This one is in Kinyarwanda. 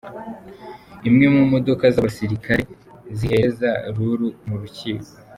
Imwe mu modoka z'abasirikare zihereza Lulu mu rukiko.